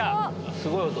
すごい音。